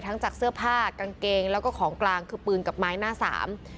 จากเสื้อผ้ากางเกงแล้วก็ของกลางคือปืนกับไม้หน้าสาม